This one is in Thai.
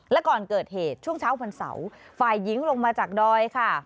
และก่อนเกิดเหตุช่วงเช้าวันเสาร์ฝ่ายหญิงลงมาจากดอยค่ะ